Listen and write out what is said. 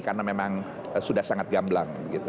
karena memang sudah sangat gamblang